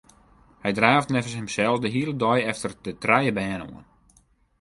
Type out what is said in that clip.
Hy draaft neffens himsels de hiele dei efter de trije bern oan.